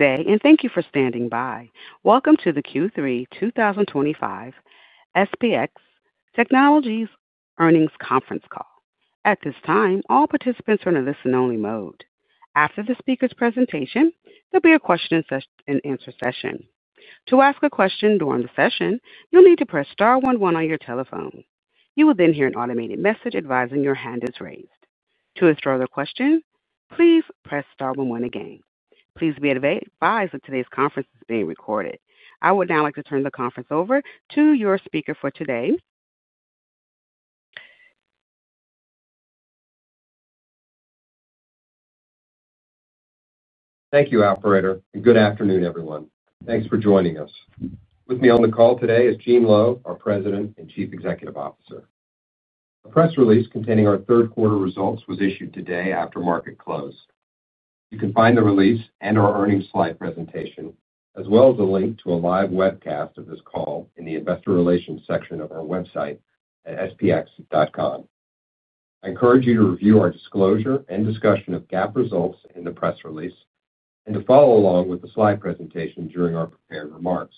Today, and thank you for standing by. Welcome to the Q3 2025 SPX Technologies' earnings conference call. At this time, all participants are in a listen-only mode. After the speaker's presentation, there'll be a question and answer session. To ask a question during the session, you'll need to press star one one on your telephone. You will then hear an automated message advising your hand is raised. To ask further questions, please press star one one again. Please be advised that today's conference is being recorded. I would now like to turn the conference over to your speaker for today. Thank you, operator. Good afternoon, everyone. Thanks for joining us. With me on the call today is Gene Lowe, our President and Chief Executive Officer. A press release containing our third-quarter results was issued today after market close. You can find the release and our earnings slide presentation, as well as a link to a live webcast of this call in the Investor Relations section of our website at spx.com. I encourage you to review our disclosure and discussion of GAAP results in the press release and to follow along with the slide presentation during our prepared remarks.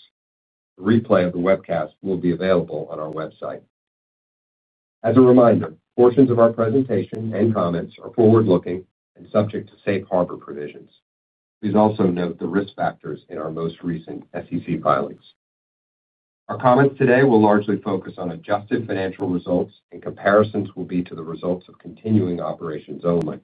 A replay of the webcast will be available on our website. As a reminder, portions of our presentation and comments are forward-looking and subject to safe harbor provisions. Please also note the risk factors in our most recent SEC filings. Our comments today will largely focus on adjusted financial results, and comparisons will be to the results of continuing operations only.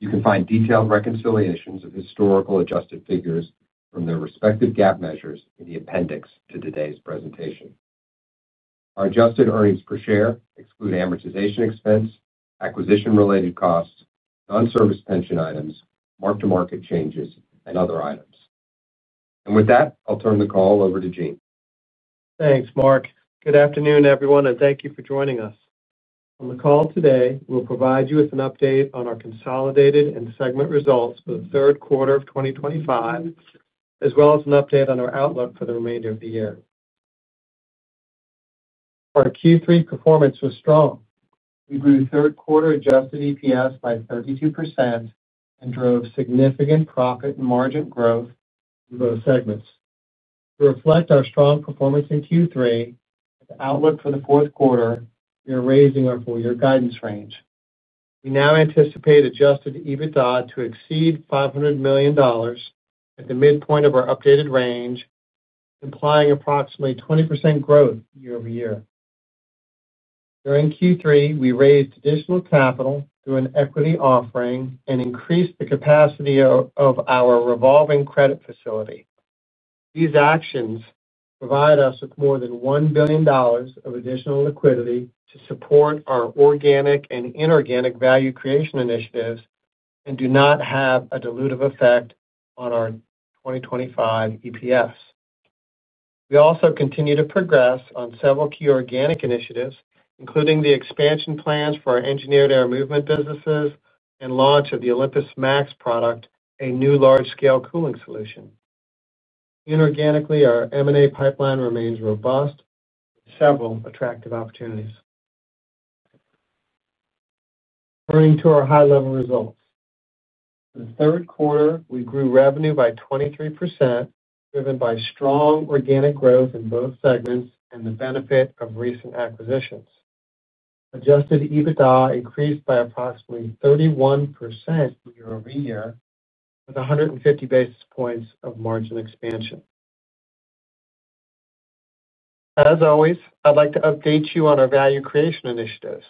You can find detailed reconciliations of historical adjusted figures from their respective GAAP measures in the appendix to today's presentation. Our adjusted earnings per share exclude amortization expense, acquisition-related costs, non-service pension items, mark-to-market changes, and other items. With that, I'll turn the call over to Gene. Thanks, Mark. Good afternoon, everyone, and thank you for joining us. On the call today, we'll provide you with an update on our consolidated and segment results for the third quarter of 2025, as well as an update on our outlook for the remainder of the year. Our Q3 performance was strong. We grew third-quarter adjusted EPS by 32% and drove significant profit and margin growth in both segments. To reflect our strong performance in Q3 and the outlook for the fourth quarter, we are raising our full-year guidance range. We now anticipate adjusted EBITDA to exceed $500 million, at the midpoint of our updated range, implying approximately 20% growth year-over-year. During Q3, we raised additional capital through an equity offering and increased the capacity of our revolving credit facility. These actions provide us with more than $1 billion of additional liquidity to support our organic and inorganic value creation initiatives and do not have a dilutive effect on our 2025 EPS. We also continue to progress on several key organic initiatives, including the expansion plans for our engineered air movement businesses and launch of the Olympus Max product, a new large-scale cooling solution. Inorganically, our M&A pipeline remains robust with several attractive opportunities. Turning to our high-level results, in the third quarter, we grew revenue by 23%, driven by strong organic growth in both segments and the benefit of recent acquisitions. Adjusted EBITDA increased by approximately 31% year-over-year, with 150 basis points of margin expansion. As always, I'd like to update you on our value creation initiatives.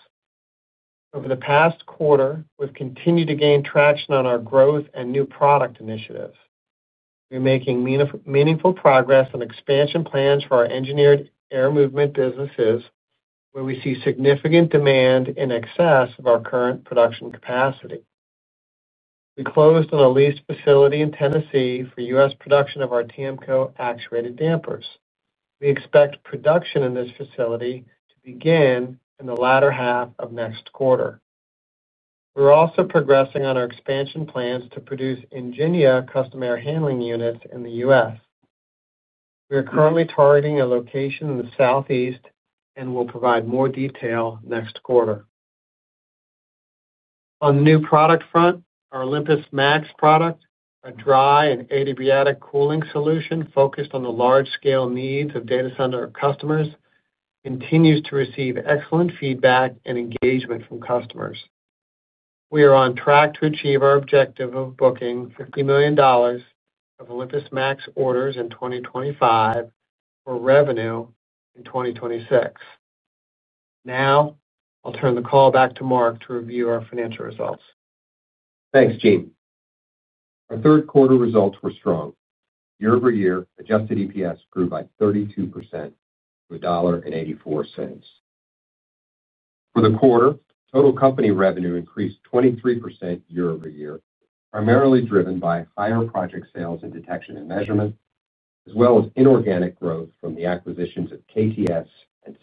Over the past quarter, we've continued to gain traction on our growth and new product initiatives. We're making meaningful progress on expansion plans for our engineered air movement businesses, where we see significant demand in excess of our current production capacity. We closed on a leased facility in Tennessee for U.S. production of our TAMCO actuated dampers. We expect production in this facility to begin in the latter half of next quarter. We're also progressing on our expansion plans to produce Ingenia custom air handling units in the U.S. We are currently targeting a location in the Southeast and will provide more detail next quarter. On the new product front, our Olympus Max product, a dry and adiabatic cooling solution focused on the large-scale needs of data center customers, continues to receive excellent feedback and engagement from customers. We are on track to achieve our objective of booking $50 million of Olympus Max orders in 2025 for revenue in 2026. Now, I'll turn the call back to Mark to review our financial results. Thanks, Gene. Our third-quarter results were strong. Year-over-year, adjusted EPS grew by 32% to $1.84. For the quarter, total company revenue increased 23% year-over-year, primarily driven by higher project sales and Detection & Measurement, as well as inorganic growth from the acquisitions of KTS,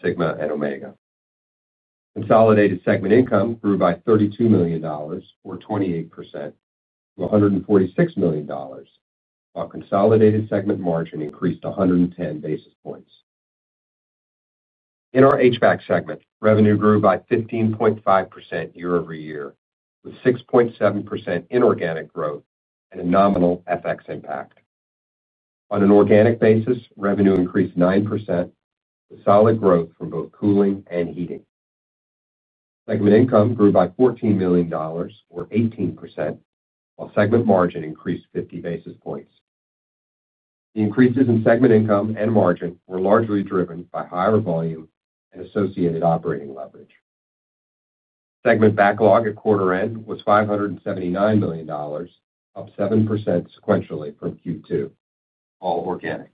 Sigma & Omega. Consolidated segment income grew by $32 million, or 28%, to $146 million, while consolidated segment margin increased 110 basis points. In our HVAC segment, revenue grew by 15.5% year-over-year, with 6.7% inorganic growth and a nominal FX impact. On an organic basis, revenue increased 9%, with solid growth from both cooling and heating. Segment income grew by $14 million, or 18%, while segment margin increased 50 basis points. The increases in segment income and margin were largely driven by higher volume and associated operating leverage. Segment backlog at quarter end was $579 million, up 7% sequentially from Q2, all organic.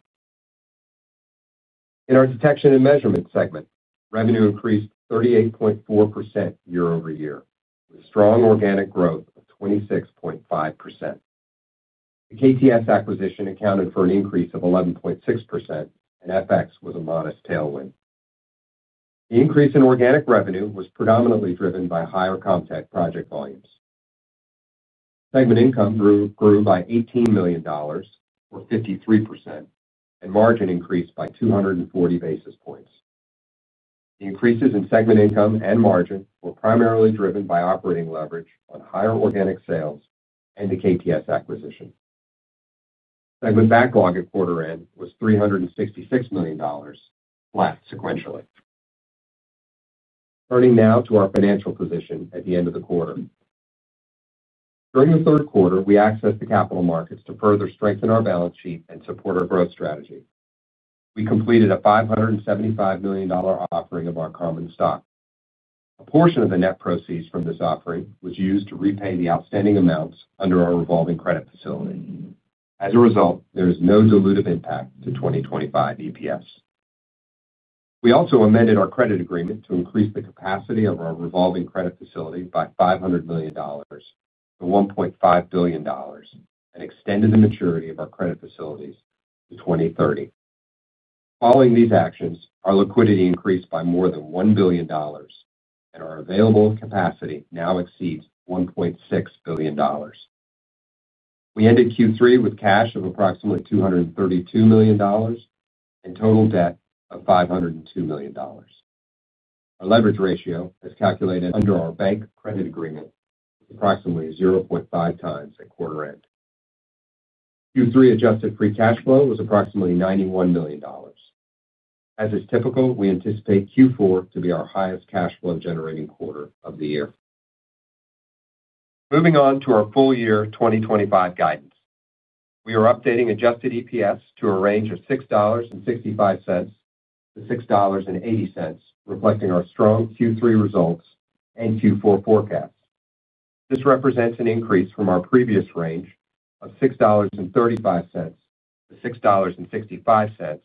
In our Detection & Measurement segment, revenue increased 38.4% year-over-year, with strong organic growth of 26.5%. The KTS acquisition accounted for an increase of 11.6%, and FX was a modest tailwind. The increase in organic revenue was predominantly driven by higher compact project volumes. Segment income grew by $18 million, or 53%, and margin increased by 240 basis points. The increases in segment income and margin were primarily driven by operating leverage on higher organic sales and the KTS acquisition. Segment backlog at quarter end was $366 million, left sequentially. Turning now to our financial position at the end of the quarter. During the third quarter, we accessed the capital markets to further strengthen our balance sheet and support our growth strategy. We completed a $575 million offering of our common stock. A portion of the net proceeds from this offering was used to repay the outstanding amounts under our revolving credit facility. As a result, there is no dilutive impact to 2025 EPS. We also amended our credit agreement to increase the capacity of our revolving credit facility by $500 million to $1.5 billion and extended the maturity of our credit facilities to 2030. Following these actions, our liquidity increased by more than $1 billion, and our available capacity now exceeds $1.6 billion. We ended Q3 with cash of approximately $232 million and total debt of $502 million. Our leverage ratio, as calculated under our bank credit agreement, was approximately 0.5x at quarter end. Q3 adjusted free cash flow was approximately $91 million. As is typical, we anticipate Q4 to be our highest cash flow-generating quarter of the year. Moving on to our full year 2025 guidance, we are updating adjusted EPS to a range of $6.55-$6.80, reflecting our strong Q3 results and Q4 forecast. This represents an increase from our previous range of $6.35-$6.55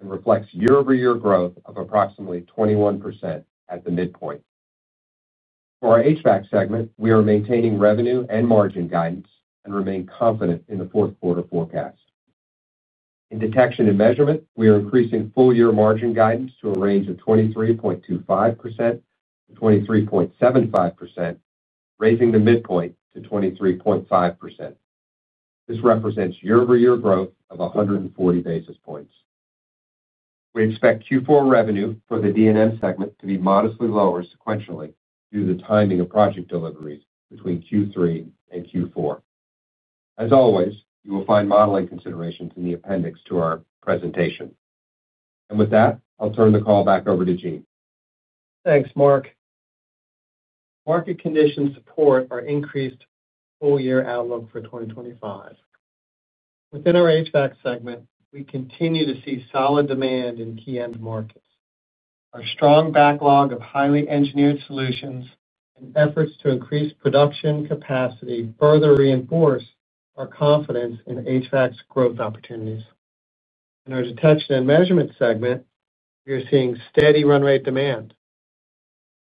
and reflects year-over-year growth of approximately 21% at the midpoint. For our HVAC segment, we are maintaining revenue and margin guidance and remain confident in the fourth-quarter forecast. In Detection & Measurement, we are increasing full-year margin guidance to a range of 23.25%-23.75%, raising the midpoint to 23.5%. This represents year-over-year growth of 140 basis points. We expect Q4 revenue for the D&M segment to be modestly lower sequentially due to the timing of project deliveries between Q3 and Q4. As always, you will find modeling considerations in the appendix to our presentation. With that, I'll turn the call back over to Gene. Thanks, Mark. Market conditions support our increased full-year outlook for 2025. Within our HVAC segment, we continue to see solid demand in key end markets. Our strong backlog of highly engineered solutions and efforts to increase production capacity further reinforce our confidence in HVAC's growth opportunities. In our Detection & Measurement segment, we are seeing steady run-rate demand.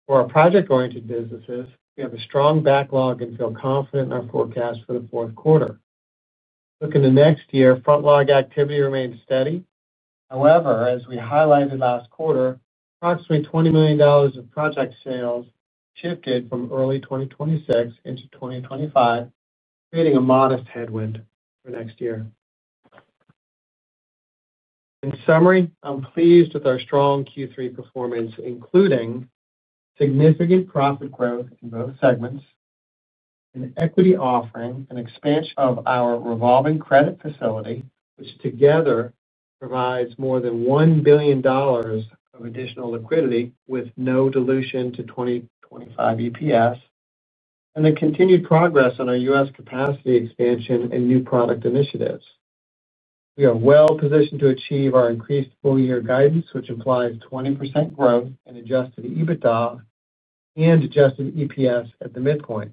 For our project-oriented businesses, we have a strong backlog and feel confident in our forecast for the fourth quarter. Looking to next year, front-log activity remains steady. However, as we highlighted last quarter, approximately $20 million of project sales shifted from early 2026 into 2025, creating a modest headwind for next year. In summary, I'm pleased with our strong Q3 performance, including significant profit growth in both segments, an equity offering, an expansion of our revolving credit facility, which together provides more than $1 billion of additional liquidity with no dilution to 2025 EPS, and the continued progress on our U.S. capacity expansion and new product initiatives. We are well-positioned to achieve our increased full-year guidance, which implies 20% growth in adjusted EBITDA and adjusted EPS at the midpoint.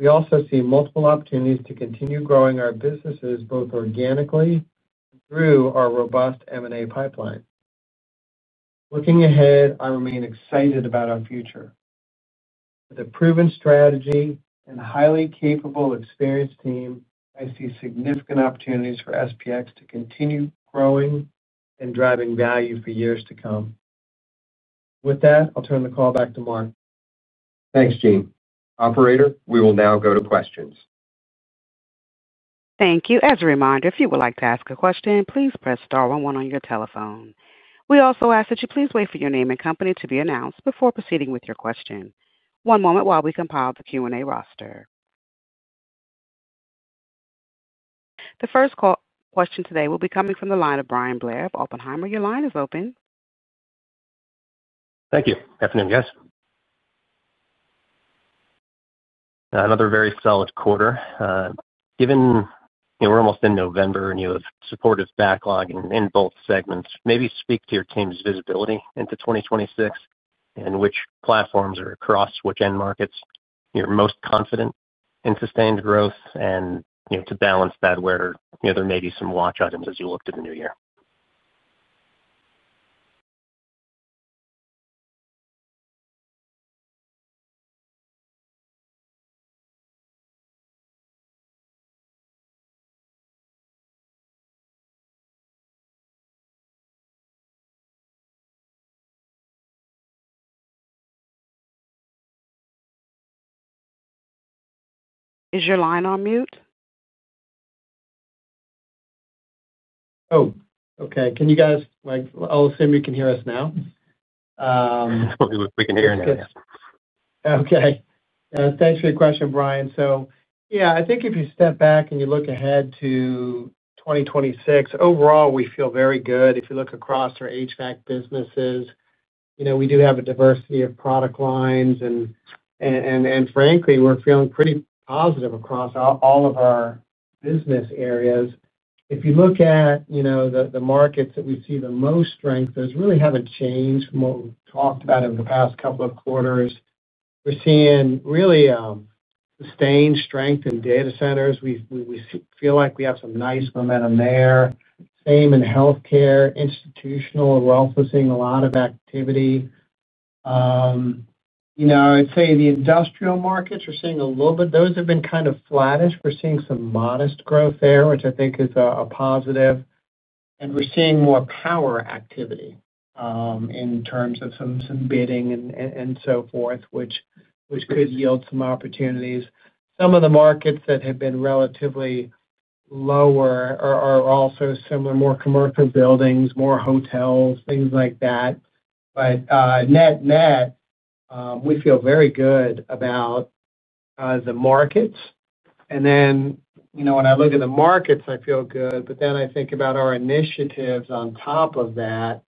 We also see multiple opportunities to continue growing our businesses both organically and through our robust M&A pipeline. Looking ahead, I remain excited about our future. With a proven strategy and highly capable, experienced team, I see significant opportunities for SPX to continue growing and driving value for years to come. With that, I'll turn the call back to Mark. Thanks, Gene. Operator, we will now go to questions. Thank you. As a reminder, if you would like to ask a question, please press star one one on your telephone. We also ask that you please wait for your name and company to be announced before proceeding with your question. One moment while we compile the Q&A roster. The first question today will be coming from the line of Bryan Blair of Oppenheimer. Your line is open. Thank you. Good afternoon, guys. Another very solid quarter. Given we're almost in November and you have supportive backlog in both segments, maybe speak to your team's visibility into 2026 and which platforms or across which end markets you're most confident in sustained growth and to balance that where there may be some watch items as you look to the new year. Is your line on mute? Oh, okay. I'll assume you can hear us now. We can hear you now. Okay. Thanks for your question, Bryan. I think if you step back and you look ahead to 2026, overall, we feel very good. If you look across our HVAC businesses, we do have a diversity of product lines. Frankly, we're feeling pretty positive across all of our business areas. If you look at the markets that we see the most strength, those really haven't changed from what we've talked about in the past couple of quarters. We're seeing really sustained strength in data centers. We feel like we have some nice momentum there. Same in healthcare, institutional, we're also seeing a lot of activity. I'd say the industrial markets are seeing a little bit, those have been kind of flattish. We're seeing some modest growth there, which I think is a positive. We're seeing more power activity in terms of some bidding and so forth, which could yield some opportunities. Some of the markets that have been relatively lower are also similar, more commercial buildings, more hotels, things like that. Net-net, we feel very good about the markets. When I look at the markets, I feel good. Then I think about our initiatives on top of that.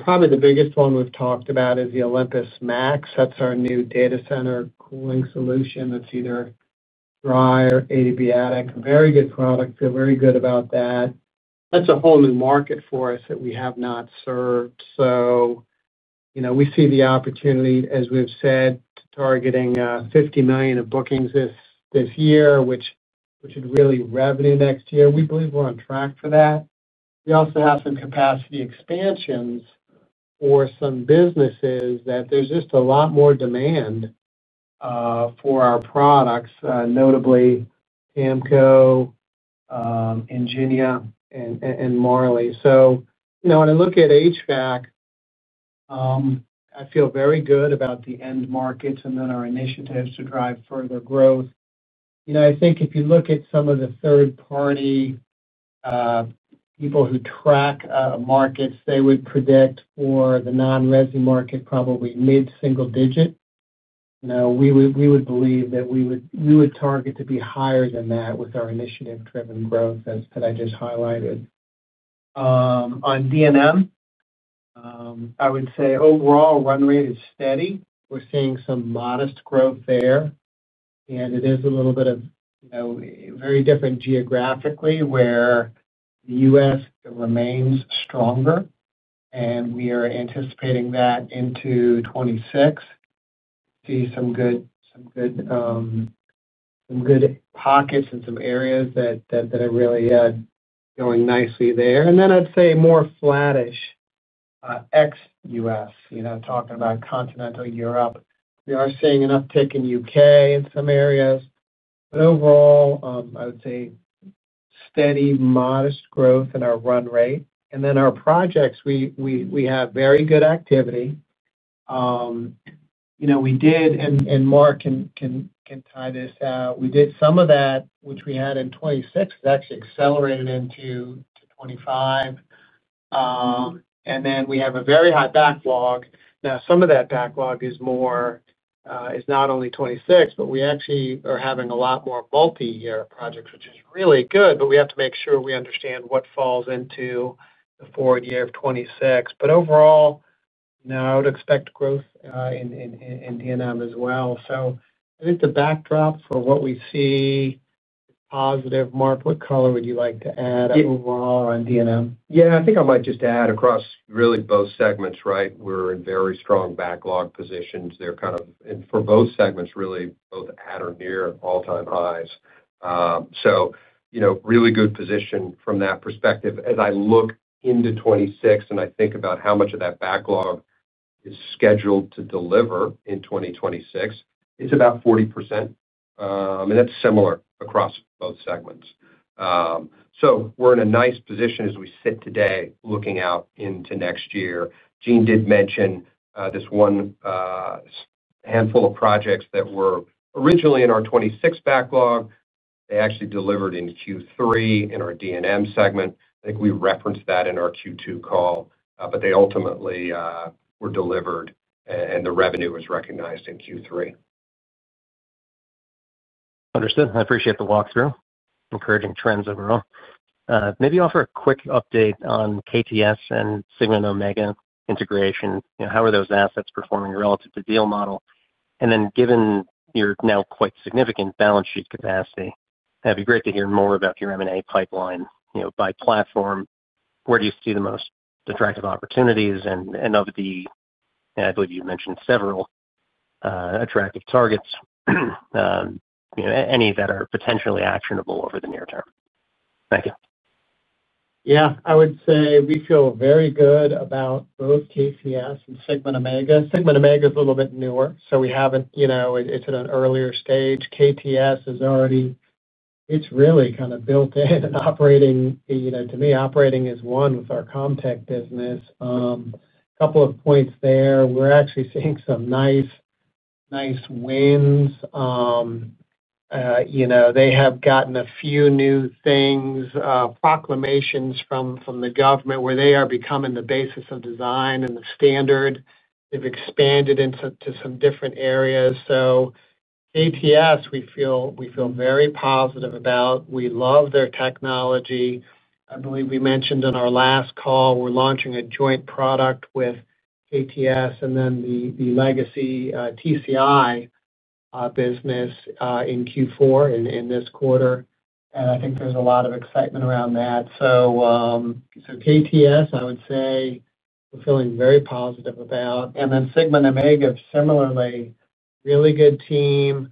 Probably the biggest one we've talked about is the Olympus Max. That's our new data center cooling solution. That's either dry or adiabatic. Very good product. Feel very good about that. That's a whole new market for us that we have not served. We see the opportunity, as we've said, targeting $50 million in bookings this year, which would really revenue next year. We believe we're on track for that. We also have some capacity expansions for some businesses that there's just a lot more demand for our products, notably TAMCO, Ingenia, and Marley. When I look at HVAC, I feel very good about the end markets and then our initiatives to drive further growth. I think if you look at some of the third-party people who track markets, they would predict for the non-resin market probably mid-single digit. We would believe that we would target to be higher than that with our initiative-driven growth, as I just highlighted. On D&M, I would say overall run rate is steady. We're seeing some modest growth there. It is a little bit of very different geographically where the U.S. remains stronger. We are anticipating that into 2026. We see some good pockets and some areas that are really going nicely there. I'd say more flattish ex-U.S., talking about continental Europe. We are seeing an uptick in the U.K. in some areas. Overall, I would say steady, modest growth in our run rate, and then our projects, we have very good activity. We did, and Mark can tie this out, we did some of that, which we had in 2026, actually accelerated into 2025. We have a very high backlog. Now, some of that backlog is not only 2026, but we actually are having a lot more multi-year projects, which is really good, but we have to make sure we understand what falls into the forward year of 2026. Overall, I would expect growth in D&M as well. I think the backdrop for what we see is positive. Mark, what color would you like to add overall on D&M? Yeah, I think I might just add across really both segments, right? We're in very strong backlog positions. They're kind of, and for both segments, really both at or near all-time highs. Really good position from that perspective. As I look into 2026 and I think about how much of that backlog is scheduled to deliver in 2026, it's about 40%. That's similar across both segments. We're in a nice position as we sit today looking out into next year. Gene did mention this one. Handful of projects that were originally in our 2026 backlog actually delivered in Q3 in our D&M segment. I think we referenced that in our Q2 call, but they ultimately were delivered and the revenue was recognized in Q3. Understood. I appreciate the walkthrough. Encouraging trends overall. Maybe offer a quick update on KTS, Sigma & Omega integration. How are those assets performing relative to deal model? Given your now quite significant balance sheet capacity, it'd be great to hear more about your M&A pipeline by platform. Where do you see the most attractive opportunities? I believe you mentioned several attractive targets. Any that are potentially actionable over the near term? Thank you. Yeah. I would say we feel very good about both KTS and Sigma & Omega. Sigma & Omega is a little bit newer, so we haven't—it's at an earlier stage. KTS is already. It's really kind of built in. Operating, to me, operating is one with our Comp Tech business. A couple of points there. We're actually seeing some nice wins. They have gotten a few new things, proclamations from the government where they are becoming the basis of design and the standard. They've expanded into some different areas. KTS, we feel very positive about. We love their technology. I believe we mentioned in our last call, we're launching a joint product with KTS and then the legacy TCI business in Q4 in this quarter. I think there's a lot of excitement around that. KTS, I would say, we're feeling very positive about. Sigma Omega similarly, really good team,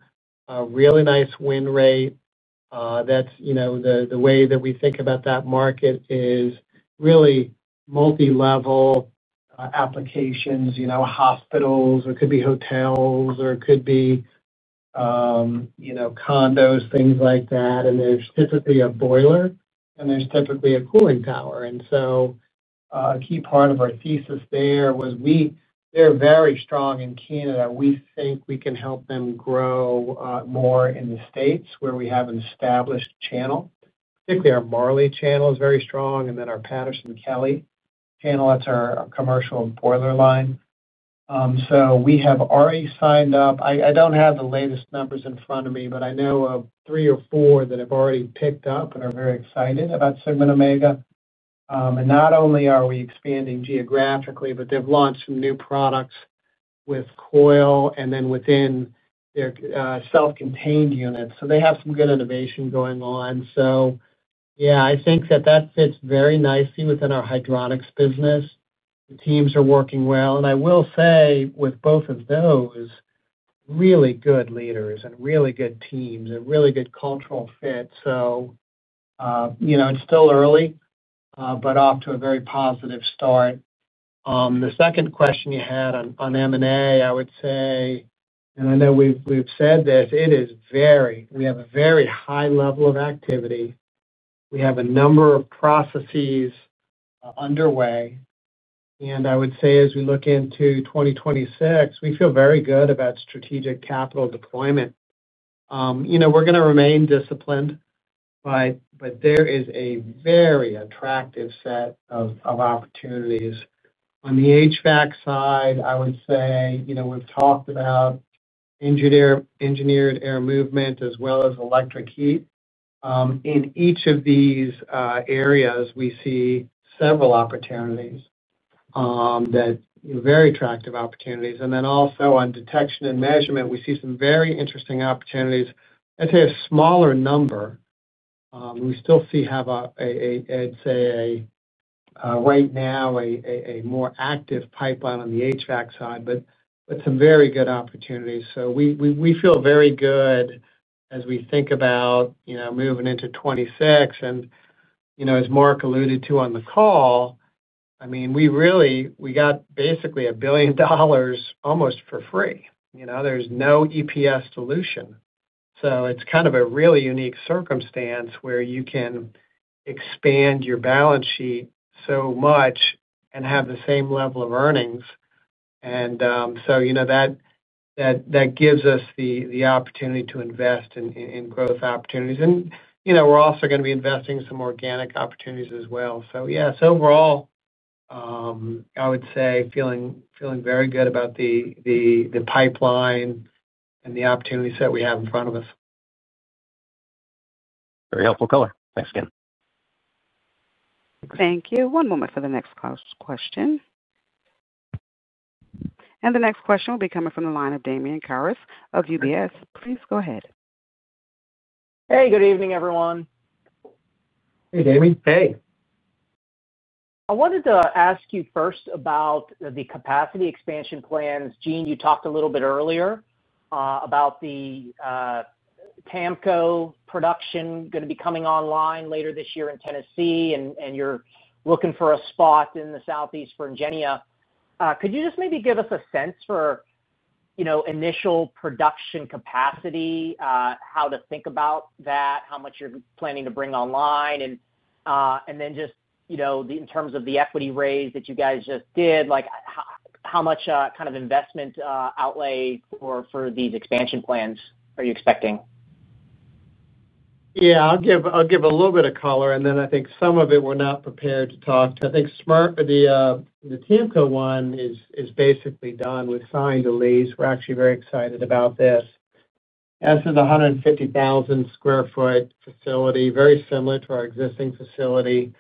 really nice win rate. The way that we think about that market is really multi-level applications, hospitals, or it could be hotels, or it could be condos, things like that. There's typically a boiler, and there's typically a cooling tower. A key part of our thesis there was they're very strong in Canada. We think we can help them grow more in the U.S. where we have an established channel. Particularly our Marley channel is very strong, and then our Patterson-Kelly channel, that's our commercial boiler line. We have already signed up. I don't have the latest numbers in front of me, but I know of three or four that have already picked up and are very excited about Sigma & Omega. Not only are we expanding geographically, but they've launched some new products with coil and then within their self-contained units. They have some good innovation going on. I think that that fits very nicely within our hydronics business. The teams are working well. I will say with both of those, really good leaders and really good teams and really good cultural fit. It's still early, but off to a very positive start. The second question you had on M&A, I would say, and I know we've said this, it is very—we have a very high level of activity. We have a number of processes underway. I would say as we look into 2026, we feel very good about strategic capital deployment. We're going to remain disciplined, but there is a very attractive set of opportunities. On the HVAC side, I would say we've talked about engineered air movement as well as electric heat. In each of these. Areas, we see several opportunities that are very attractive opportunities. Also, on Detection & Measurement, we see some very interesting opportunities. I'd say a smaller number. We still have, I'd say, right now, a more active pipeline on the HVAC side, but some very good opportunities. We feel very good as we think about moving into 2026. As Mark alluded to on the call, we really got basically $1 billion almost for free. There's no EPS solution. It's kind of a really unique circumstance where you can expand your balance sheet so much and have the same level of earnings. That gives us the opportunity to invest in growth opportunities. We're also going to be investing in some organic opportunities as well. Overall, I would say feeling very good about the pipeline and the opportunities that we have in front of us. Very helpful color. Thanks again. Thank you. One moment for the next question. The next question will be coming from the line of Damian Karas of UBS. Please go ahead. Hey, good evening, everyone. Hey, Damian. Hey, I wanted to ask you first about the capacity expansion plans. Gene, you talked a little bit earlier about the TAMCO production going to be coming online later this year in Tennessee, and you're looking for a spot in the Southeast for Ingenia. Could you just maybe give us a sense for initial production capacity, how to think about that, how much you're planning to bring online, and then just in terms of the equity raise that you guys just did, how much kind of investment outlay for these expansion plans are you expecting? Yeah, I'll give a little bit of color. I think some of it we're not prepared to talk. I think the TAMCO one is basically done. We've signed the lease. We're actually very excited about this. This is a 150,000 sq ft facility, very similar to our existing facility.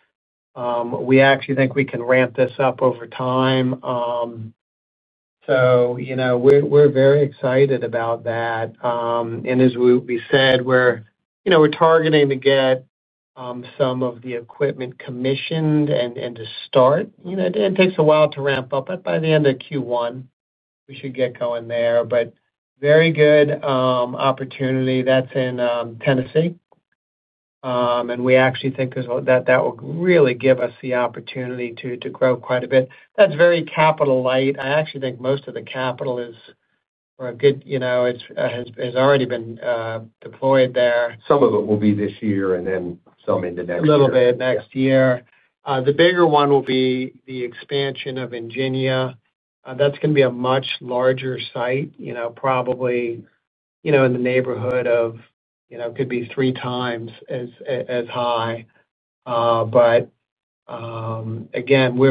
We actually think we can ramp this up over time. We're very excited about that. As we said, we're targeting to get some of the equipment commissioned and to start. It takes a while to ramp up, but by the end of Q1, we should get going there. Very good opportunity. That's in Tennessee. We actually think that will really give us the opportunity to grow quite a bit. That's very capital light. I actually think most of the capital is for a good—it's already been deployed there. Some of it will be this year, and then some into next year. A little bit next year. The bigger one will be the expansion of Ingenia. That's going to be a much larger site, probably in the neighborhood of, could be three times as high. We're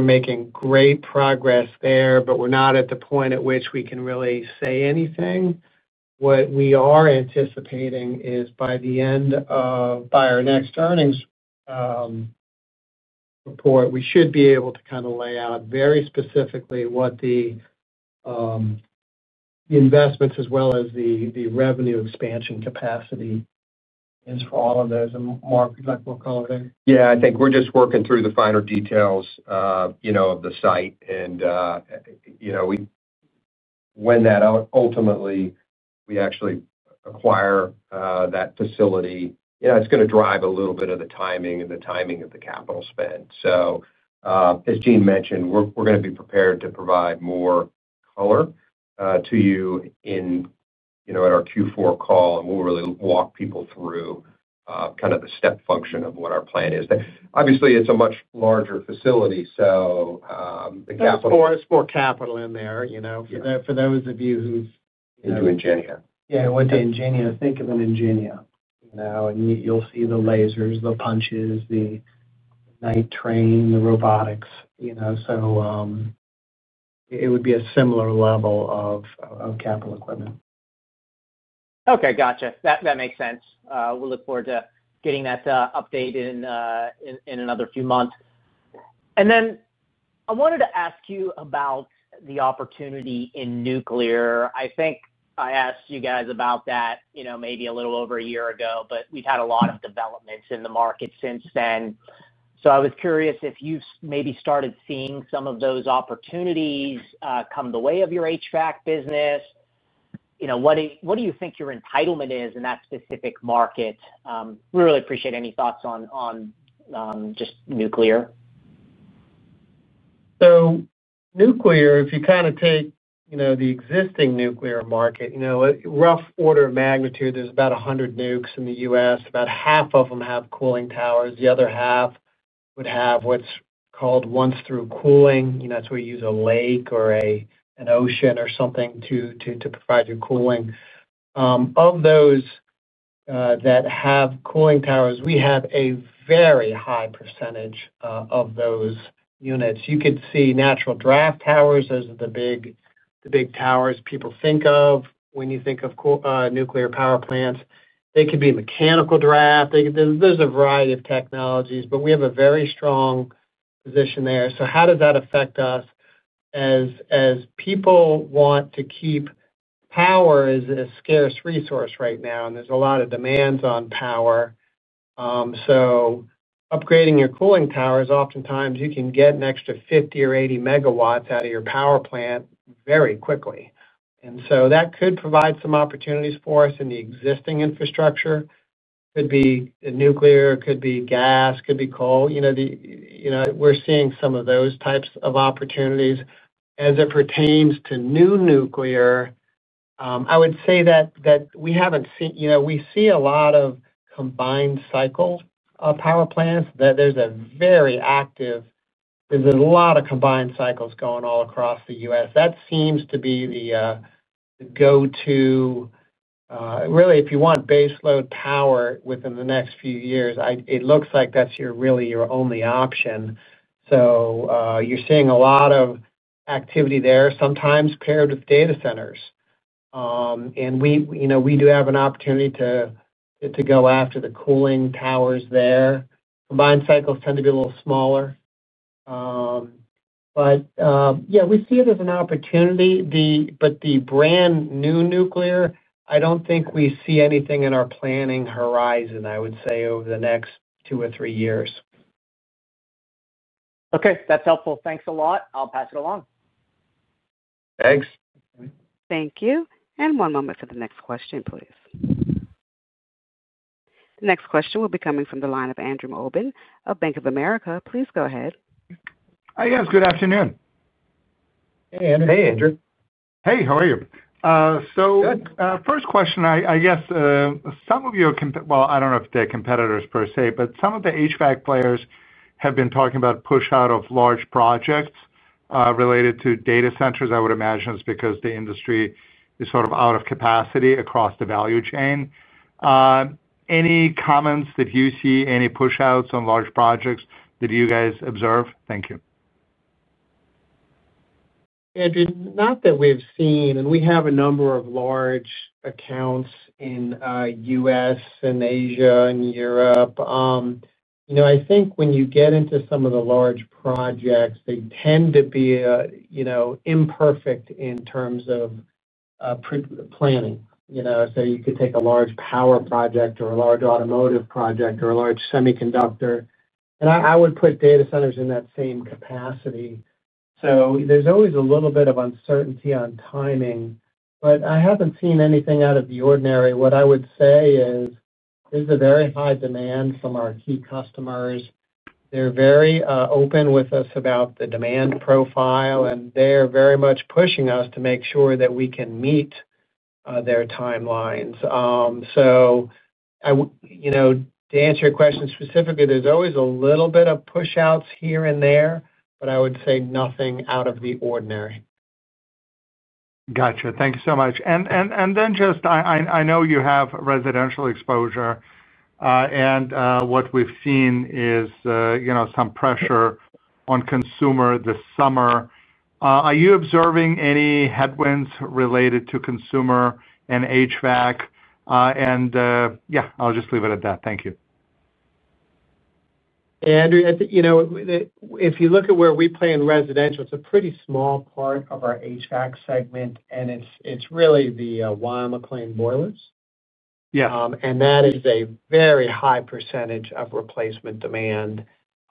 making great progress there, but we're not at the point at which we can really say anything. What we are anticipating is by the end of, by our next earnings report, we should be able to kind of lay out very specifically what the investments as well as the revenue expansion capacity is for all of those. Mark, would you like more color there? Yeah, I think we're just working through the finer details of the site. When we actually acquire that facility, it's going to drive a little bit of the timing and the timing of the capital spend. As Gene mentioned, we're going to be prepared to provide more color to you in our Q4 call, and we'll really walk people through kind of the step function of what our plan is. Obviously, it's a much larger facility. It's more capital in there. For those of you who've Into Ingenia. Yeah, went to Ingenia, think of an Ingenia. You'll see the lasers, the punches, the night train, the robotics. It would be a similar level of capital equipment. Okay, gotcha. That makes sense. We'll look forward to getting that updated in another few months. I wanted to ask you about the opportunity in nuclear. I think I asked you guys about that maybe a little over a year ago, but we've had a lot of developments in the market since then. I was curious if you've maybe started seeing some of those opportunities come the way of your HVAC business. What do you think your entitlement is in that specific market? We really appreciate any thoughts on just nuclear. If you kind of take the existing nuclear market, rough order of magnitude, there's about 100 nukes in the U.S. About half of them have cooling towers. The other half would have what's called once-through cooling. That's where you use a lake or an ocean or something to provide your cooling. Of those that have cooling towers, we have a very high percentage of those units. You could see natural draft towers as the big towers people think of when you think of nuclear power plants. They could be mechanical draft. There's a variety of technologies, but we have a very strong position there. How does that affect us? Power is a scarce resource right now, and there's a lot of demands on power. Upgrading your cooling towers, oftentimes, you can get an extra 50 or 80 MW out of your power plant very quickly. That could provide some opportunities for us in the existing infrastructure. It could be nuclear, it could be gas, it could be coal. We're seeing some of those types of opportunities. As it pertains to new nuclear, I would say that we haven't seen a lot of combined cycle power plants. There's a very active—there's a lot of combined cycles going all across the U.S. That seems to be the go-to. Really, if you want baseload power within the next few years, it looks like that's really your only option. You're seeing a lot of activity there sometimes paired with data centers. We do have an opportunity to go after the cooling towers there. Combined cycles tend to be a little smaller. We see it as an opportunity. The brand new nuclear, I don't think we see anything in our planning horizon, I would say, over the next two or three years. Okay, that's helpful. Thanks a lot. I'll pass it along. Thanks. Thank you. One moment for the next question, please. The next question will be coming from the line of Andrew Obin of Bank of America. Please go ahead. Hi, guys. Good afternoon. Hey, Andrew. Hey, Andrew. Hey, how are you? Good. First question, I guess. Some of your—I don't know if they're competitors per se, but some of the HVAC players have been talking about push-out of large projects related to data centers. I would imagine it's because the industry is sort of out of capacity across the value chain. Any comments that you see? Any push-outs on large projects that you guys observe? Thank you. Andrew, not that we've seen, and we have a number of large accounts in the U.S. and Asia and Europe. I think when you get into some of the large projects, they tend to be imperfect in terms of planning. You could take a large power project or a large automotive project or a large semiconductor, and I would put data centers in that same capacity. There's always a little bit of uncertainty on timing. I haven't seen anything out of the ordinary. What I would say is there's a very high demand from our key customers. They're very open with us about the demand profile, and they're very much pushing us to make sure that we can meet their timelines. To answer your question specifically, there's always a little bit of push-outs here and there, but I would say nothing out of the ordinary. Gotcha. Thank you so much. I know you have residential exposure. What we've seen is some pressure on consumer this summer. Are you observing any headwinds related to consumer and HVAC? I'll just leave it at that. Thank you. Andrew, if you look at where we play in residential, it's a pretty small part of our HVAC segment, and it's really the Wyoming claim boilers. That is a very high percentage of replacement demand.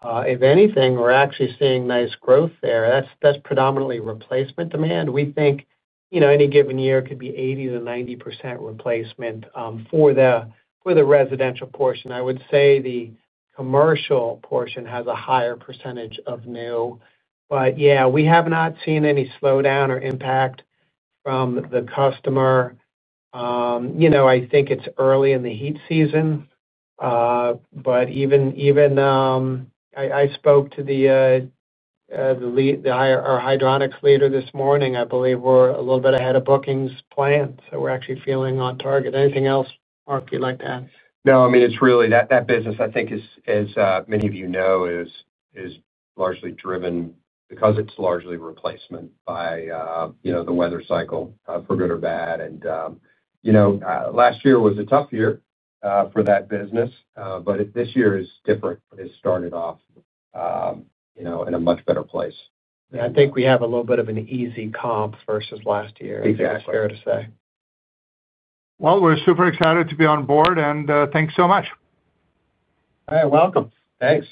If anything, we're actually seeing nice growth there. That's predominantly replacement demand. We think any given year could be 80%-90% replacement for the residential portion. I would say the commercial portion has a higher percentage of new. We have not seen any slowdown or impact from the customer. I think it's early in the heat season. I spoke to our hydronics leader this morning, I believe we're a little bit ahead of bookings planned. We're actually feeling on target. Anything else, Mark, you'd like to add? No, I mean, it's really that business, I think, as many of you know, is largely driven because it's largely replacement by the weather cycle, for good or bad. Last year was a tough year for that business, but this year is different. It started off in a much better place. I think we have a little bit of an easy comp versus last year. Exactly. That's fair to say. We're super excited to be on board, and thanks so much. All right. Welcome. Thanks.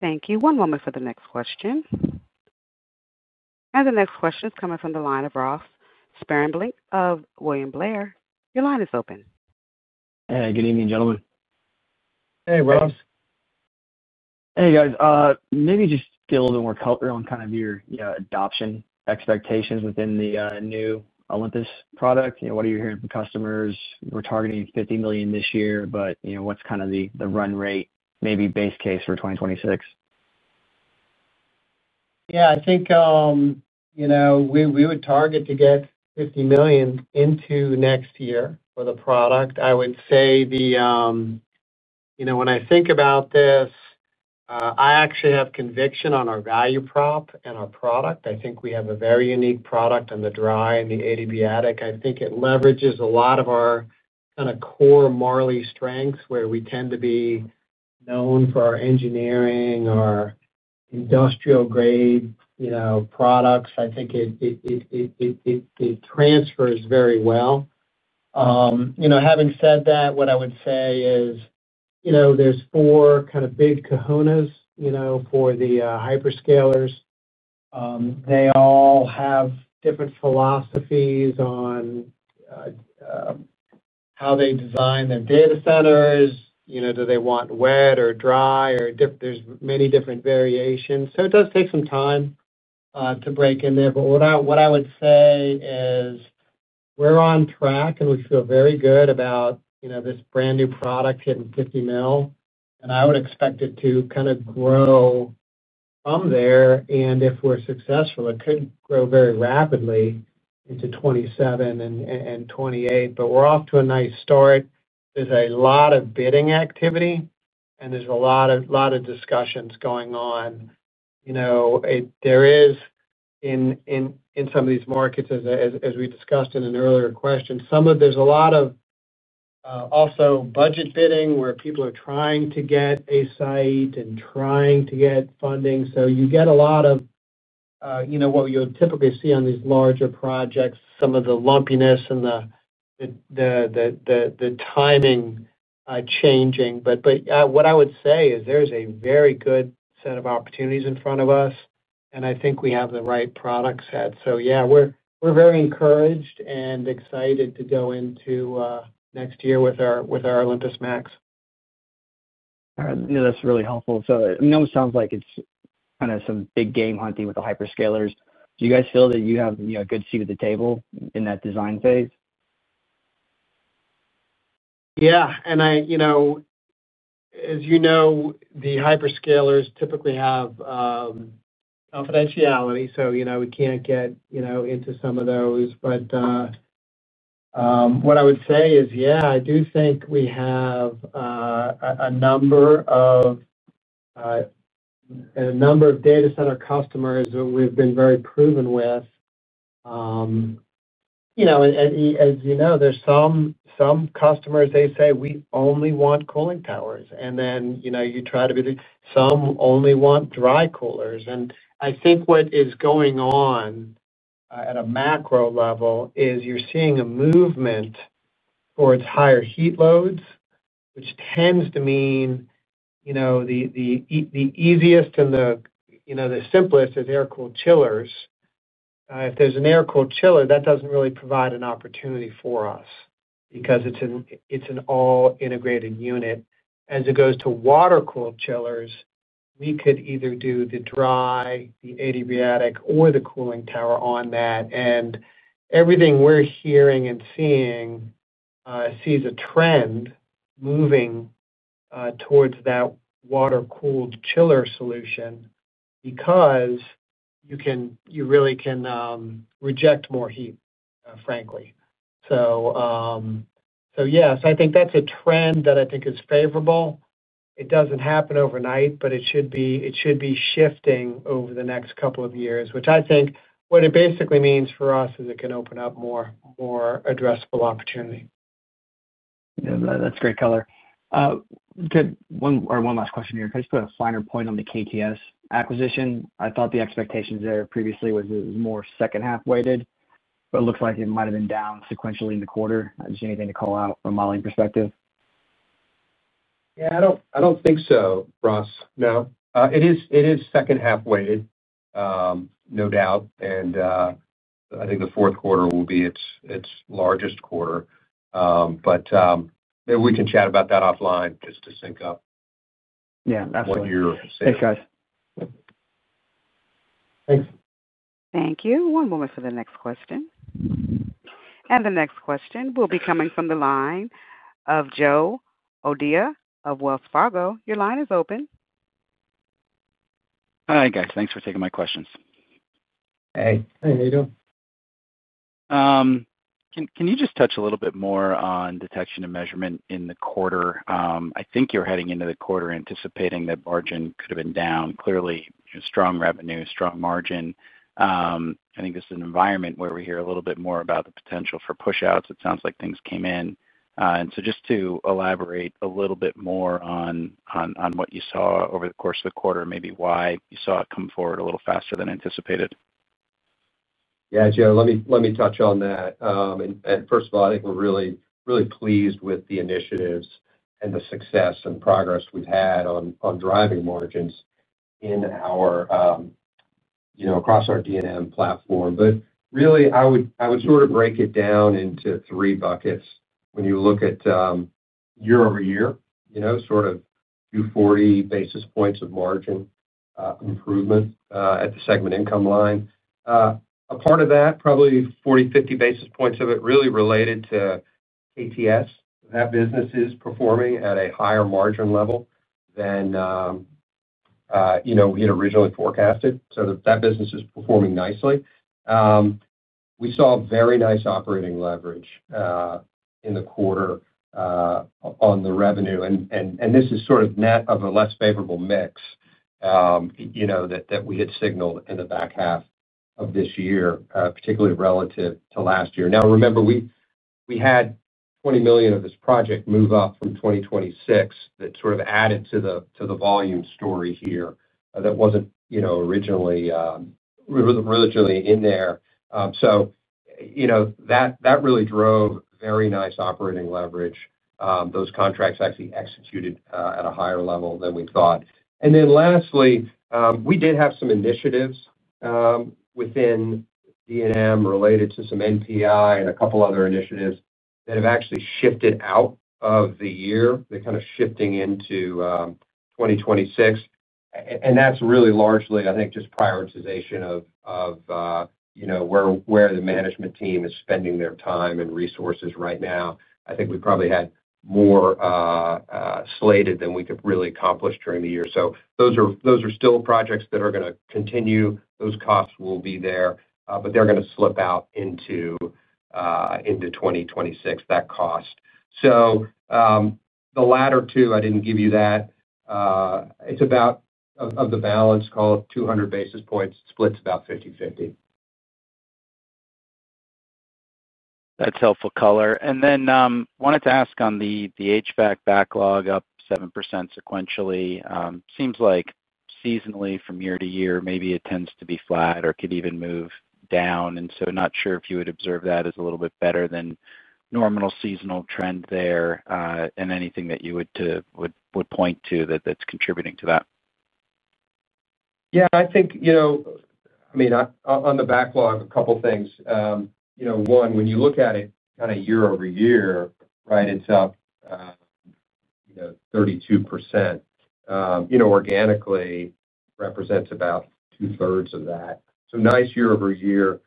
Thank you. One moment for the next question. The next question is coming from the line of Ross Sparenblek of William Blair. Your line is open. Hey, good evening, gentlemen. Hey, Ross. Hey, guys. Maybe just get a little bit more cultural on kind of your adoption expectations within the new Olympus product. What are you hearing from customers? We're targeting $50 million this year, but what's kind of the run rate, maybe base case for 2026? Yeah, I think we would target to get $50 million into next year for the product. I would say when I think about this, I actually have conviction on our value prop and our product. I think we have a very unique product on the dry and the adiabatic. I think it leverages a lot of our kind of core Marley strengths where we tend to be known for our engineering, our industrial-grade products. I think it transfers very well. Having said that, what I would say is there's four kind of big colognes for the hyperscalers. They all have different philosophies on how they design their data centers. Do they want wet or dry? There's many different variations. It does take some time to break in there. What I would say is we're on track, and we feel very good about this brand new product hitting $50 million. I would expect it to kind of grow from there. If we're successful, it could grow very rapidly into 2027 and 2028. We're off to a nice start. There's a lot of bidding activity, and there's a lot of discussions going on. In some of these markets, as we discussed in an earlier question, there's a lot of also budget bidding where people are trying to get a site and trying to get funding. You get a lot of what you'll typically see on these larger projects, some of the lumpiness and the timing changing. What I would say is there's a very good set of opportunities in front of us, and I think we have the right product set. Yeah, we're very encouraged and excited to go into next year with our Olympus Max. All right. That's really helpful. It almost sounds like it's kind of some big game hunting with the hyperscalers. Do you guys feel that you have a good seat at the table in that design phase? As you know, the hyperscalers typically have confidentiality, so we can't get into some of those. What I would say is, yeah, I do think we have a number of data center customers that we've been very proven with. As you know, there's some customers, they say, "We only want cooling towers." Some only want dry coolers. I think what is going on at a macro level is you're seeing a movement towards higher heat loads, which tends to mean the easiest and the simplest is air-cooled chillers. If there's an air-cooled chiller, that doesn't really provide an opportunity for us because it's an all-integrated unit. As it goes to water-cooled chillers, we could either do the dry, the ADB attic, or the cooling tower on that. Everything we're hearing and seeing sees a trend moving towards that water-cooled chiller solution because you really can reject more heat, frankly. I think that's a trend that I think is favorable. It doesn't happen overnight, but it should be shifting over the next couple of years, which I think what it basically means for us is it can open up more addressable opportunity. Yeah. That's great color. I have one last question here. Can I just put a finer point on the KTS acquisition? I thought the expectations there previously was it was more second-half weighted, but it looks like it might have been down sequentially in the quarter. Is there anything to call out from a modeling perspective? Yeah. I don't think so, Ross. No. It is second-half weighted, no doubt. I think the fourth quarter will be its largest quarter. We can chat about that offline just to sync up. Yeah. Absolutely. What you're saying. Thanks, guys. Thanks. Thank you. One moment for the next question. The next question will be coming from the line of Joe O'Dea of Wells Fargo. Your line is open. Hi, guys. Thanks for taking my questions. Hey. Hey, how are you doing? Can you just touch a little bit more on Detection & Measurement in the quarter? I think you're heading into the quarter anticipating that margin could have been down. Clearly, strong revenue, strong margin. I think this is an environment where we hear a little bit more about the potential for push-outs. It sounds like things came in. Just elaborate a little bit more on what you saw over the course of the quarter, maybe why you saw it come forward a little faster than anticipated. Yeah, Joe, let me touch on that. First of all, I think we're really pleased with the initiatives and the success and progress we've had on driving margins across our D&M platform. I would sort of break it down into three buckets. When you look at year-over-year, sort of 240 basis points of margin improvement at the segment income line, a part of that, probably 40, 50 basis points of it, really related to KTS. That business is performing at a higher margin level than we had originally forecasted. That business is performing nicely. We saw very nice operating leverage in the quarter on the revenue, and this is sort of net of a less favorable mix that we had signaled in the back half of this year, particularly relative to last year. Now, remember, we had $20 million of this project move up from 2026 that sort of added to the volume story here that wasn't originally in there. That really drove very nice operating leverage. Those contracts actually executed at a higher level than we thought. Lastly, we did have some initiatives within D&M related to some NPI and a couple of other initiatives that have actually shifted out of the year. They're kind of shifting into 2026, and that's really largely, I think, just prioritization of where the management team is spending their time and resources right now. I think we probably had more slated than we could really accomplish during the year. Those are still projects that are going to continue. Those costs will be there, but they're going to slip out into 2026, that cost. The latter two, I didn't give you that. It's about, of the balance called 200 basis points, splits about 50/50. That's helpful color. I wanted to ask on the HVAC backlog up 7% sequentially. It seems like seasonally from year to year, maybe it tends to be flat or could even move down. I'm not sure if you would observe that as a little bit better than normal seasonal trend there, and anything that you would point to that's contributing to that. Yeah. I think, I mean, on the backlog, a couple of things. One, when you look at it kind of year over year, right, it's up 32%. Organically, represents about two-thirds of that, so nice year over year.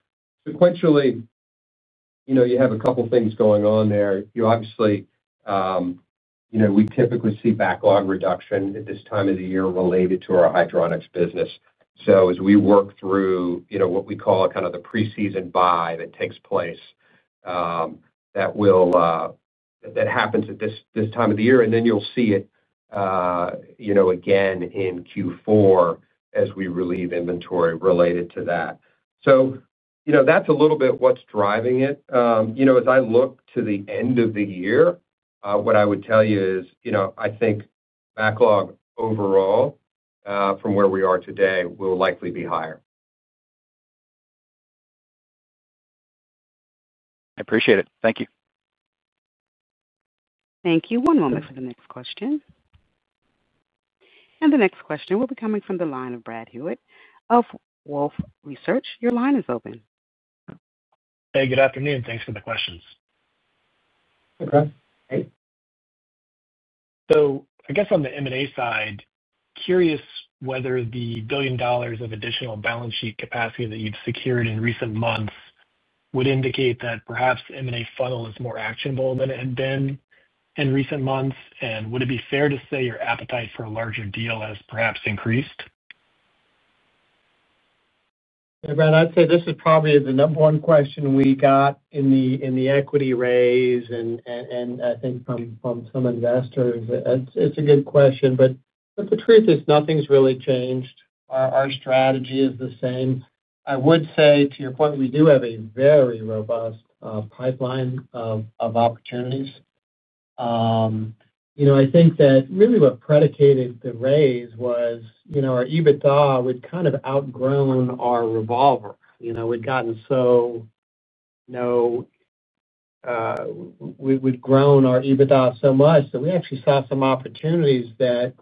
Sequentially, you have a couple of things going on there. Obviously, we typically see backlog reduction at this time of the year related to our hydronics business. As we work through what we call kind of the preseason buy that takes place, that happens at this time of the year. You'll see it again in Q4 as we relieve inventory related to that. That's a little bit what's driving it. As I look to the end of the year, what I would tell you is I think backlog overall from where we are today will likely be higher. I appreciate it. Thank you. Thank you. One moment for the next question. The next question will be coming from the line of Brad Hewitt of Wolfe Research. Your line is open. Hey, good afternoon. Thanks for the questions. Hey Brad. Hey. I guess on the M&A side, curious whether the $1 billion of additional balance sheet capacity that you've secured in recent months would indicate that perhaps the M&A funnel is more actionable than it had been in recent months. Would it be fair to say your appetite for a larger deal has perhaps increased? Hey, Brad, I'd say this is probably the number one question we got in the equity raise. I think from some investors, it's a good question. The truth is nothing's really changed. Our strategy is the same. I would say to your point, we do have a very robust pipeline of opportunities. I think that really what predicated the raise was our EBITDA would kind of outgrown our revolver. We'd grown our EBITDA so much that we actually saw some opportunities that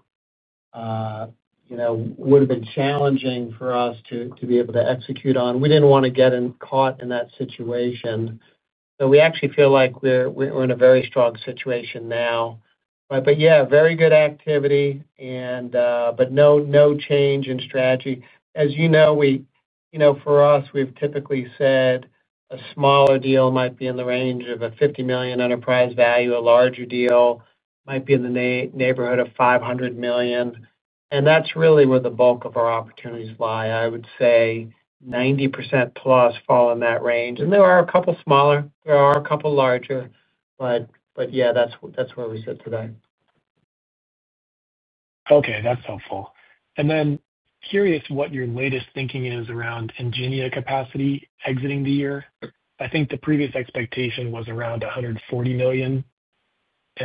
would have been challenging for us to be able to execute on. We didn't want to get caught in that situation. We actually feel like we're in a very strong situation now. Yeah, very good activity, but no change in strategy. As you know, for us, we've typically said a smaller deal might be in the range of a $50 million enterprise value. A larger deal might be in the neighborhood of $500 million, and that's really where the bulk of our opportunities lie. I would say 90%+ fall in that range. There are a couple of smaller, there are a couple of larger, but yeah, that's where we sit today. Okay. That's helpful. Curious what your latest thinking is around Ingenia capacity exiting the year. I think the previous expectation was around $140 million.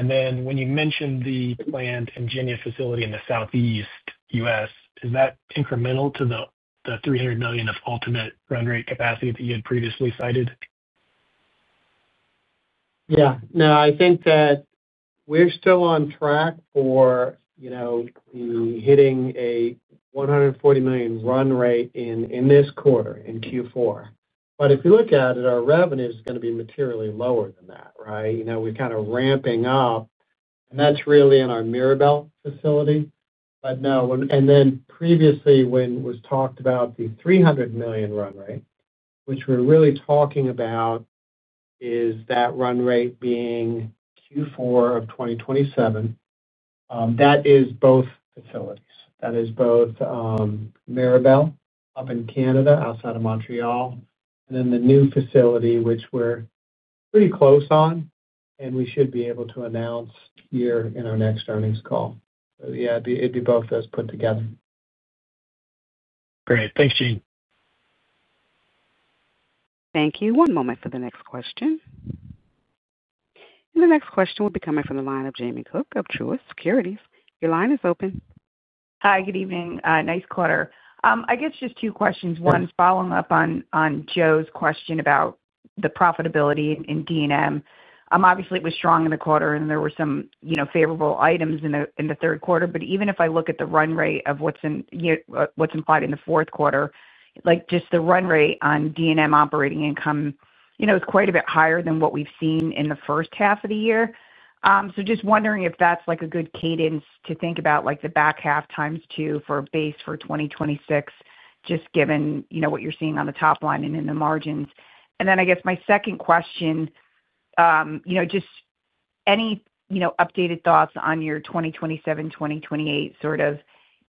When you mentioned the planned Ingenia facility in the southeast U.S., is that incremental to the $300 million of ultimate run rate capacity that you had previously cited? Yeah. No, I think that we're still on track for hitting a $140 million run rate in this quarter, in Q4. If you look at it, our revenue is going to be materially lower than that, right? We're kind of ramping up, and that's really in our Mirabel facility. No. Previously, when it was talked about, the $300 million run rate, which we're really talking about, is that run rate being Q4 of 2027. That is both facilities. That is both Mirabel up in Canada outside of Montreal, and then the new facility, which we're pretty close on, and we should be able to announce here in our next earnings call. Yeah, it'd be both of those put together. Great. Thanks, Gene. Thank you. One moment for the next question. The next question will be coming from the line of Jamie Cook of Truist Securities. Your line is open. Hi, good evening. Nice quarter. I guess just two questions. One is following up on Joe's question about the profitability in D&M. Obviously, it was strong in the quarter, and there were some favorable items in the third quarter. Even if I look at the run rate of what's implied in the fourth quarter, just the run rate on D&M operating income is quite a bit higher than what we've seen in the first half of the year. I'm just wondering if that's a good cadence to think about the back half times two for base for 2026, just given what you're seeing on the top line and in the margins. My second question is just any updated thoughts on your 2027, 2028 sort of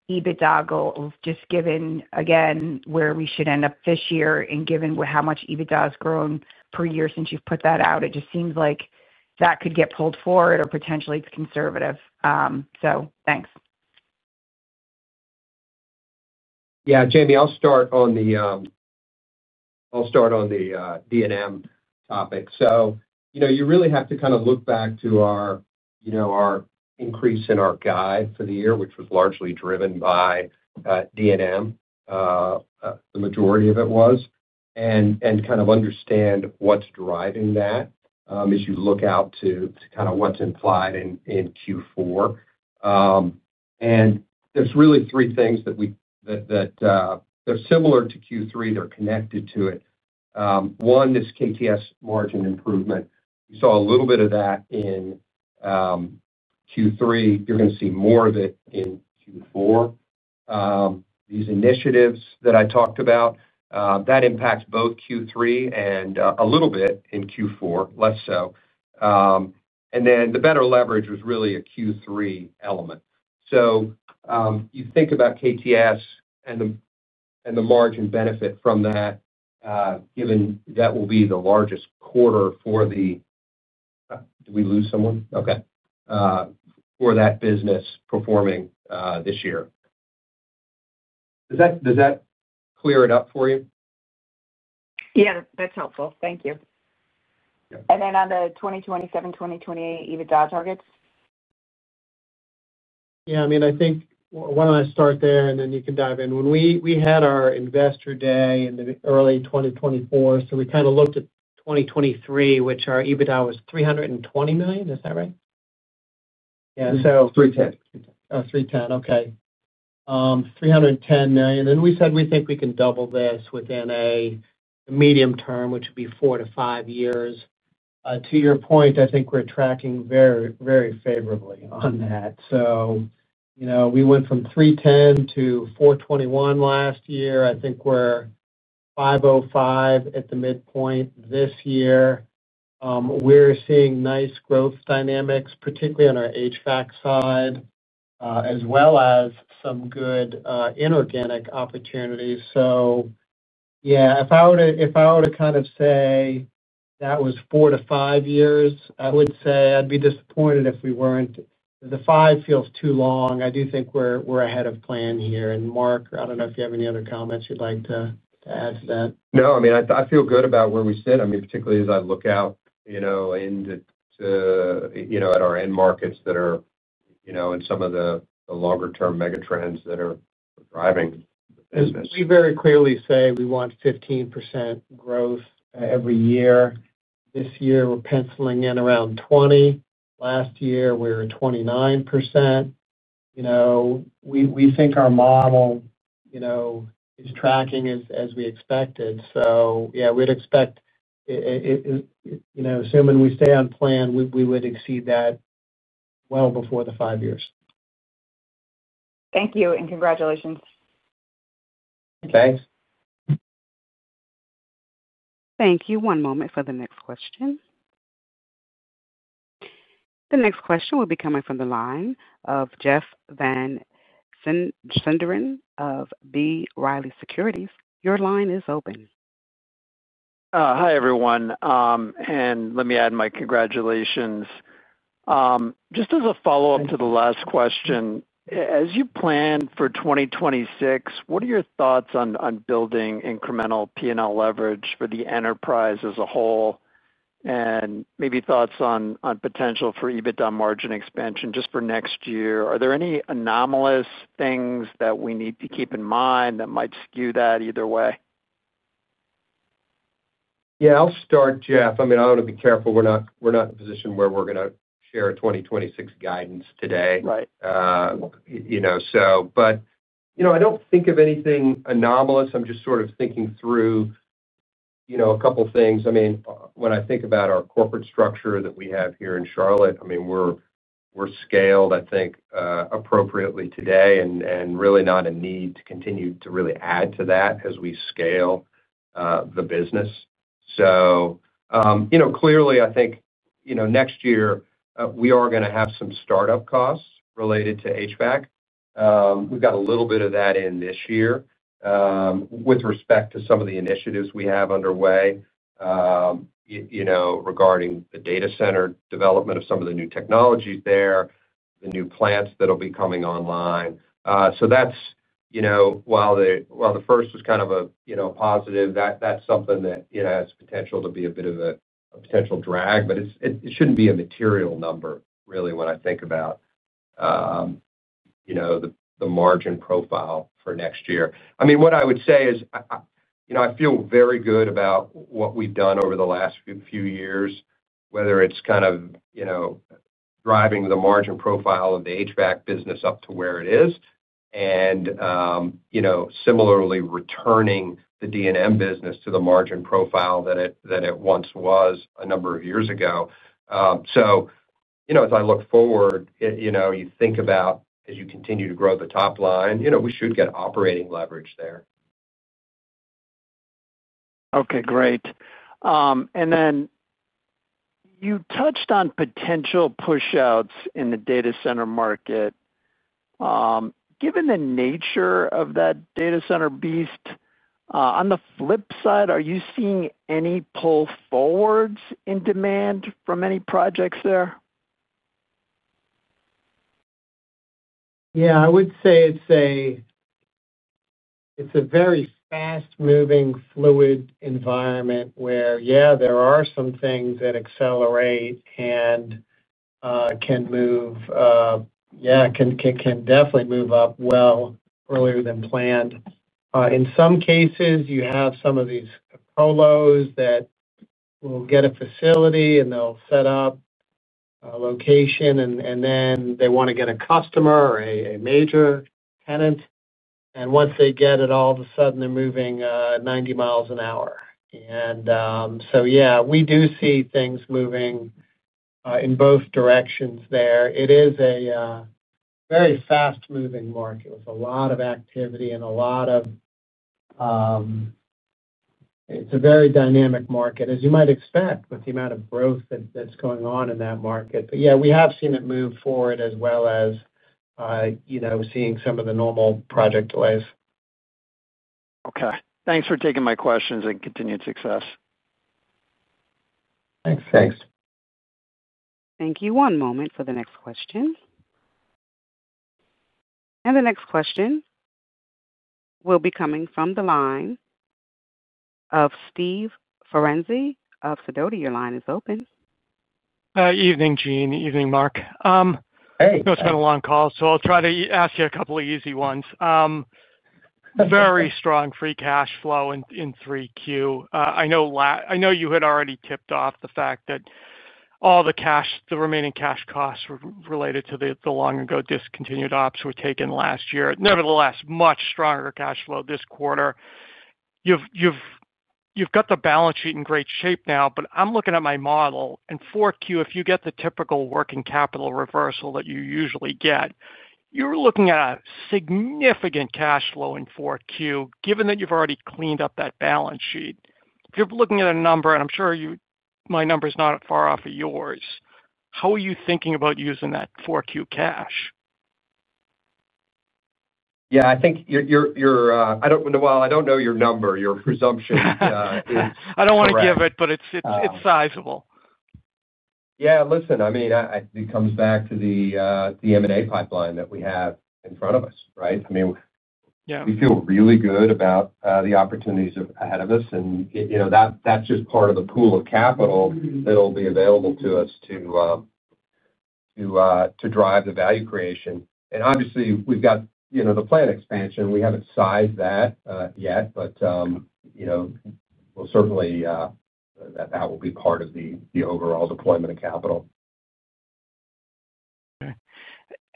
EBITDA goal, just given, again, where we should end up this year and given how much EBITDA has grown per year since you've put that out. It just seems like that could get pulled forward or potentially it's conservative. Thanks. Yeah. Jamie, I'll start on the D&M topic. You really have to kind of look back to our increase in our guide for the year, which was largely driven by D&M. The majority of it was, and kind of understand what's driving that as you look out to kind of what's implied in Q4. There are really three things that are similar to Q3. They're connected to it. One is KTS margin improvement. You saw a little bit of that in Q3. You're going to see more of it in Q4. These initiatives that I talked about, that impacts both Q3 and a little bit in Q4, less so. The better leverage was really a Q3 element. You think about KTS and the margin benefit from that, given that will be the largest quarter for the—did we lose someone? Okay. For that business performing this year. Does that clear it up for you? Yeah, that's helpful. Thank you. On the 2027, 2028 EBITDA targets? Yeah, I mean, I think why don't I start there, and then you can dive in. When we had our investor day in early 2024, we kind of looked at 2023, which our EBITDA was $320 million. Is that right? Yeah. $310 million. $310 million. Okay. $310 million. We said we think we can double this within a medium term, which would be four to five years. To your point, I think we're tracking very, very favorably on that. We went from $310 million to $421 million last year. I think we're $505 million at the midpoint this year. We're seeing nice growth dynamics, particularly on our HVAC side, as well as some good inorganic opportunities. If I were to kind of say that was four to five years, I would say I'd be disappointed if we weren't. The five feels too long. I do think we're ahead of plan here. Mark, I don't know if you have any other comments you'd like to add to that. No, I mean, I feel good about where we sit. I mean, particularly as I look out into our end markets that are in some of the longer-term megatrends that are driving the business. We very clearly say we want 15% growth every year. This year, we're penciling in around 20%. Last year, we were at 29%. We think our model is tracking as we expected. Yeah, we'd expect, assuming we stay on plan, we would exceed that well before the five years. Thank you, and congratulations. Thanks. Thank you. One moment for the next question. The next question will be coming from the line of Jeff Van Sinderen of B. Riley Securities. Your line is open. Hi, everyone. Let me add my congratulations. Just as a follow-up to the last question, as you plan for 2026, what are your thoughts on building incremental P&L leverage for the enterprise as a whole? Maybe thoughts on potential for EBITDA margin expansion just for next year. Are there any anomalous things that we need to keep in mind that might skew that either way? Yeah. I'll start, Jeff. I want to be careful. We're not in a position where we're going to share 2026 guidance today. I don't think of anything anomalous. I'm just sort of thinking through a couple of things. When I think about our corporate structure that we have here in Charlotte, we're scaled, I think, appropriately today and really not in need to continue to really add to that as we scale the business. Clearly, I think next year, we are going to have some startup costs related to HVAC. We've got a little bit of that in this year with respect to some of the initiatives we have underway regarding the data center development of some of the new technologies there, the new plants that will be coming online. While the first was kind of a positive, that's something that has potential to be a bit of a potential drag. It shouldn't be a material number, really, when I think about the margin profile for next year. What I would say is I feel very good about what we've done over the last few years, whether it's kind of driving the margin profile of the HVAC business up to where it is and similarly returning the D&M business to the margin profile that it once was a number of years ago. As I look forward, you think about as you continue to grow the top line, we should get operating leverage there. Okay. Great. You touched on potential push-outs in the data center market. Given the nature of that data center beast, on the flip side, are you seeing any pull forwards in demand from any projects there? Yeah. I would say it's a very fast-moving, fluid environment where, yeah, there are some things that accelerate and can move, yeah, can definitely move up well earlier than planned. In some cases, you have some of these colos that will get a facility, and they'll set up a location, and then they want to get a customer or a major tenant. Once they get it, all of a sudden, they're moving 90 miles an hour. Yeah, we do see things moving in both directions there. It is a very fast-moving market with a lot of activity and a lot of, it's a very dynamic market, as you might expect, with the amount of growth that's going on in that market. Yeah, we have seen it move forward as well as seeing some of the normal project delays. Okay, thanks for taking my questions and continued success. Thanks. Thanks. Thank you. One moment for the next question. The next question will be coming from the line of Steve Ferazani of Sidoti. Your line is open. Evening, Gene. Evening, Mark. Hey. It's been a long call, so I'll try to ask you a couple of easy ones. Very strong free cash flow in 3Q. I know you had already tipped off the fact that all the remaining cash costs related to the long-ago discontinued ops were taken last year. Nevertheless, much stronger cash flow this quarter. You've got the balance sheet in great shape now, but I'm looking at my model. In 4Q, if you get the typical working capital reversal that you usually get, you're looking at a significant cash flow in 4Q, given that you've already cleaned up that balance sheet. If you're looking at a number, and I'm sure my number is not far off of yours, how are you thinking about using that 4Q cash? I think your presumption is. I don't want to give it, but it's sizable. Yeah. I mean, it comes back to the M&A pipeline that we have in front of us, right? I mean, we feel really good about the opportunities ahead of us. That's just part of the pool of capital that will be available to us to drive the value creation. Obviously, we've got the plant expansion. We haven't sized that yet, but we'll certainly, that will be part of the overall deployment of capital.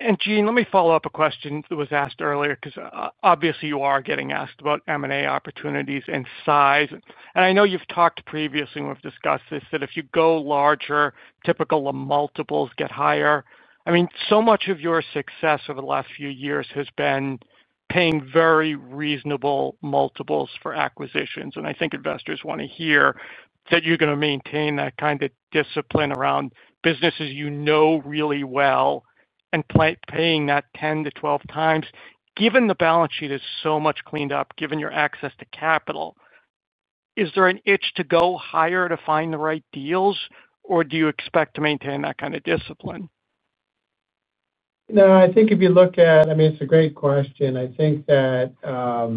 Okay. Gene, let me follow up a question that was asked earlier because obviously, you are getting asked about M&A opportunities and size. I know you've talked previously, and we've discussed this, that if you go larger, typically the multiples get higher. So much of your success over the last few years has been paying very reasonable multiples for acquisitions. I think investors want to hear that you're going to maintain that kind of discipline around businesses you know really well and paying that 10x-12x. Given the balance sheet is so much cleaned up, given your access to capital, is there an itch to go higher to find the right deals, or do you expect to maintain that kind of discipline? No. I think if you look, it's a great question. I think that our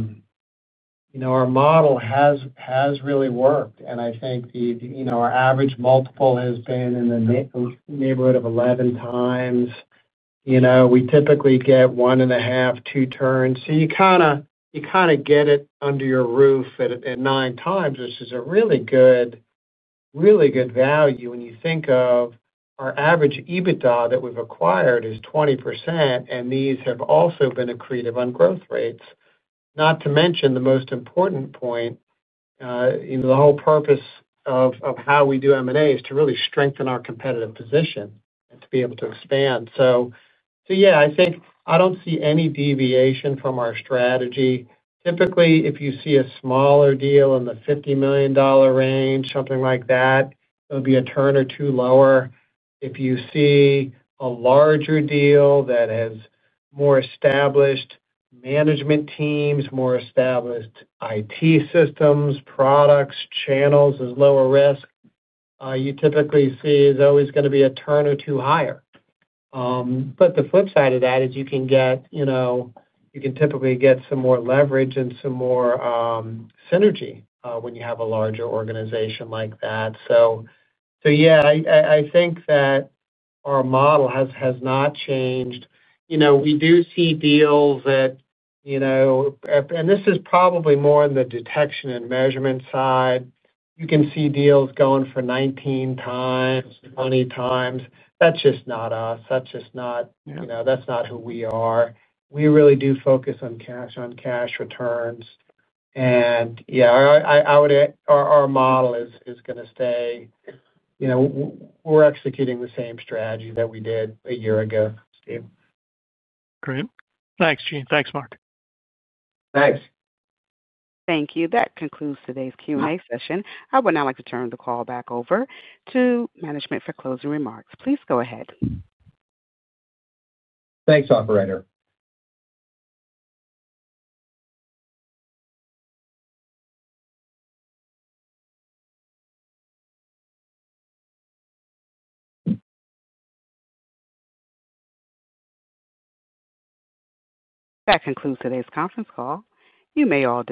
model has really worked. I think our average multiple has been in the neighborhood of 11x. We typically get one and a half, two turns, so you kind of get it under your roof at 9x, which is a really good value when you think of our average EBITDA that we've acquired is 20%, and these have also been accretive on growth rates. Not to mention the most important point, the whole purpose of how we do M&A is to really strengthen our competitive position and to be able to expand. Yeah, I think I don't see any deviation from our strategy. Typically, if you see a smaller deal in the $50 million range, something like that, it'll be a turn or two lower. If you see a larger deal that has more established management teams, more established IT systems, products, channels as lower risk, you typically see it's always going to be a turn or two higher. The flip side of that is you can get, you can typically get some more leverage and some more synergy when you have a larger organization like that. Yeah, I think that our model has not changed. We do see deals that, and this is probably more on the Detection & Measurement side, you can see deals going for 19x, 20x. That's just not us. That's just not, that's not who we are. We really do focus on cash on cash returns. Yeah, I would, our model is going to stay. We're executing the same strategy that we did a year ago, Steve. Great. Thanks, Gene. Thanks, Mark. Thanks. Thank you. That concludes today's Q&A session. I would now like to turn the call back over to management for closing remarks. Please go ahead. Thanks, operator. That concludes today's conference call. You may all disconnect.